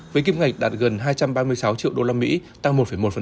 với kim ngạch đạt gần hai trăm ba mươi sáu triệu usd tăng một một